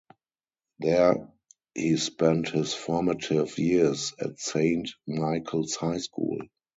There he spent his formative years at Saint Michael's High School.